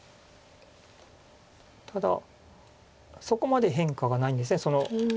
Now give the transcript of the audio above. ただそこまで変化がないんですね